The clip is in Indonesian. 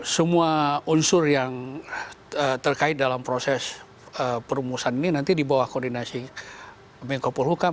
semua unsur yang terkait dalam proses perumusan ini nanti di bawah koordinasi menko polhukam